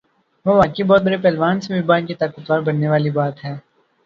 ہ واقعی بہت بڑے پہلوان سے بھی بڑھ کر طاقت ور بننے والی بات ہے۔